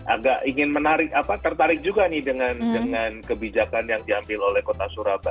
agak ingin menarik apa tertarik juga nih dengan kebijakan yang diambil oleh kota surabaya